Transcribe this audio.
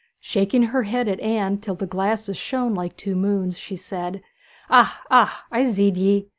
Shaking her head at Anne till the glasses shone like two moons, she said, 'Ah, ah; I zeed ye!